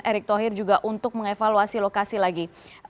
erick thohir juga untuk mengevaluasi lokasi lagi